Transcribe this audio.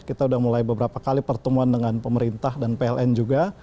kita sudah mulai beberapa kali pertemuan dengan pemerintah dan pln juga